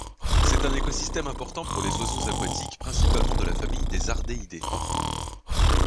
C'est un écosystème important pour les oiseaux aquatiques, principalement de la famille des ardéidés.